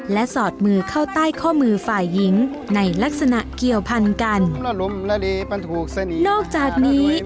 และสอดมือเข้าใต้ข้อมือฝ่ายหญิงในลักษณะเกี่ยวพันกันถูกสนิทนอกจากนี้